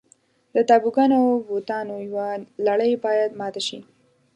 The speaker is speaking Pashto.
د تابوګانو او بوتانو یوه لړۍ باید ماته شي.